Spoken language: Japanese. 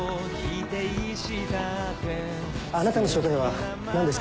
あなたの正体は何ですか？